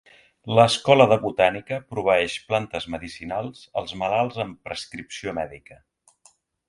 L'escola de botànica proveeix plantes medicinals als malalts amb prescripció mèdica.